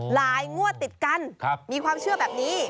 งวดติดกันมีความเชื่อแบบนี้